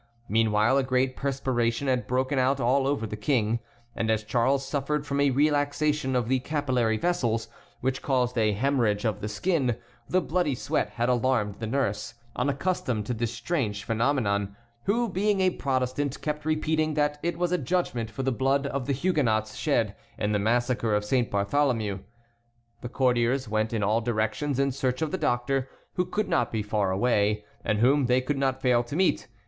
Meanwhile a great perspiration had broken out all over the King; and as Charles suffered from a relaxation of the capillary vessels, which caused a hæmorrhage of the skin, the bloody sweat had alarmed the nurse, unaccustomed to this strange phenomenon, who, being a Protestant, kept repeating that it was a judgment for the blood of the Huguenots shed in the massacre of Saint Bartholomew. The courtiers went in all directions in search of the doctor, who could not be far away, and whom they could not fail to meet.